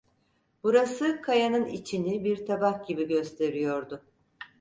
Burası kayanın içini bir tabak gibi gösteriyordu.